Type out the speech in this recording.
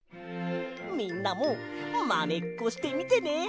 みんなもマネっこしてみてね！